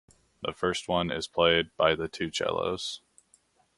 The first one is played by the two cellos.